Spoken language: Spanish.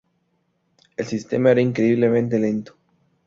El sistema era increíblemente lento.